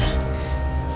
andis gak di rumah